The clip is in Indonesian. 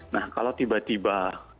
nah kalau tiba tiba